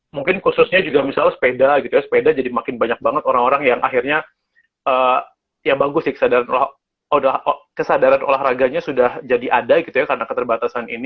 mungkin khususnya juga misalnya sepeda gitu ya sepeda jadi makin banyak banget orang orang yang akhirnya ya bagus sih kesadaran olahraganya sudah jadi ada gitu ya karena keterbatasan ini